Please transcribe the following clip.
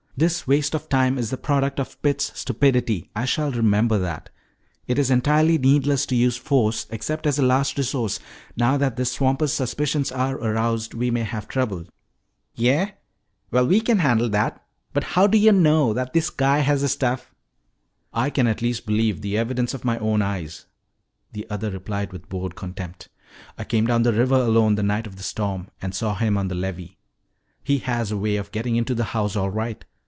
This waste of time is the product of Pitts' stupidity. I shall remember that. It is entirely needless to use force except as a last resource. Now that this swamper's suspicions are aroused, we may have trouble." "Yeah? Well, we can handle that. But how do yuh know that this guy has the stuff?" "I can at least believe the evidence of my own eyes," the other replied with bored contempt. "I came down river alone the night of the storm and saw him on the levee. He has a way of getting into the house all right.